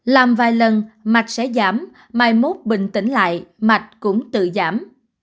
làm vài lần mạch sẽ giảm mai mốt bình tĩnh lại mạch cũng tự giảm